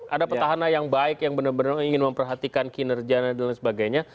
ada petahana yang baik yang benar benar ingin memperhatikan kinerja dan lain sebagainya